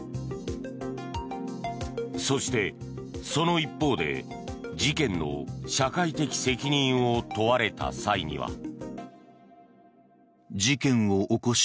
そして、その一方で事件の社会的責任を問われた際には。